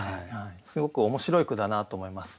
すごく面白い句だなと思います。